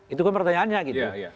itu kan pertanyaannya gitu